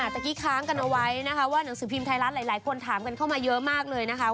เมื่อกี้ค้างกันเอาไว้นะคะว่าหนังสือพิมพ์ไทยรัฐหลายคนถามกันเข้ามาเยอะมากเลยนะคะ